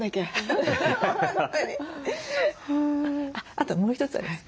あともう一つあります。